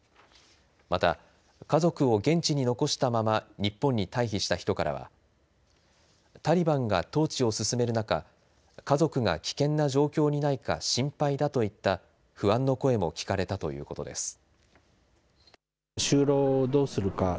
また、家族を現地に残したまま日本に退避した人からはタリバンが統治を進める中家族が危険な状況にないか心配だといった不安の声も聞かれたということです。